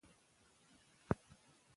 پانګونه به زیاته شي.